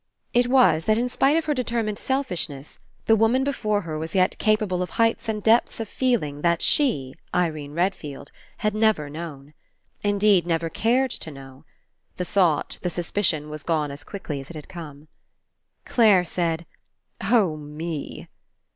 It was that in spite of her determined selfishness the woman before her was yet capable of heights and depths of feeling that she, Irene Redfield, had never known. Indeed, never cared to know. The thought, the suspicion, was gone as quickly as it had come. Clare said: '*0h, me!"